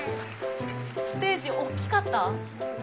・ステージおっきかった？